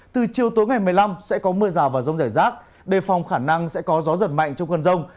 từ chiều tối ngày một mươi năm sẽ có mưa rào và rông rải rác đề phòng khả năng sẽ có gió giật mạnh trong cơn rông